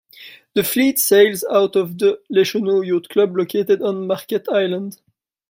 The fleet sails out of the Les Cheneaux Yacht Club located on Marquette Island.